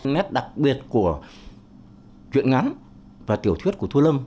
nét đặc biệt của chuyện ngắn và tiểu thuyết của thu lâm